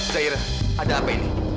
zahira ada apa ini